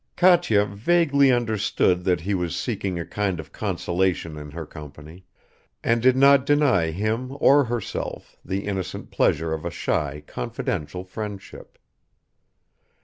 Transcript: Katya vaguely understood that he was seeking a kind of consolation in her company, and did not deny him or herself the innocent pleasure of a shy confidential friendship.